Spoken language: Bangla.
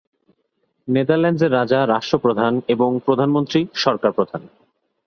নেদারল্যান্ডসের রাজা রাষ্ট্রপ্রধান এবং প্রধানমন্ত্রী সরকার প্রধান।